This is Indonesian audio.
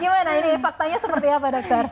gimana ini faktanya seperti apa dokter